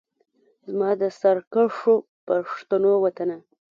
زما د سرکښو پښتنو وطنه